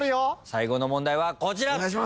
最後の問題はこちら。